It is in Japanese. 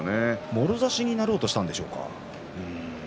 もろ差しになろうとしたんでしょうか？